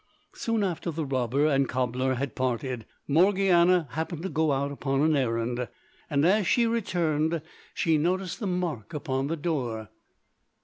Soon after the robber and cobbler had parted, Morgiana happened to go out upon an errand, and as she returned she noticed the mark upon the door.